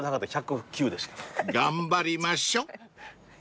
［頑張りましょう］